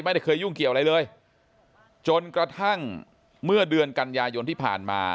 ไม่ได้เคยยุ่งเกี่ยวอะไรเลยจนกระทั่งเมื่อเดือนกันยายนที่ผ่านมา